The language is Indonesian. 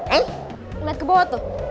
liat ke bawah tuh